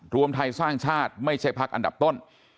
รวมไทยสร้างชาติไม่ใช่พักอันดับต้น